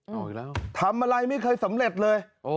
เอาอีกแล้วทำอะไรไม่เคยสำเร็จเลย